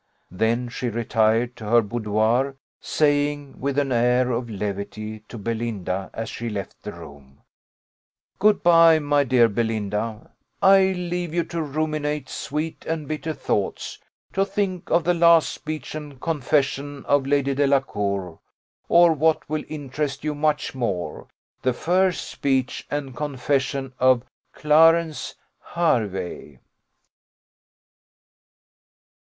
Then she retired to her boudoir, saying, with an air of levity, to Belinda as she left the room, "Good bye, my dear Belinda; I leave you to ruminate sweet and bitter thoughts; to think of the last speech and confession of Lady Delacour, or what will interest you much more, the first speech and confession of Clarence Hervey."